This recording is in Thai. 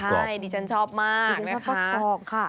ใช่ดิฉันชอบมากดิฉันชอบฟักทองค่ะ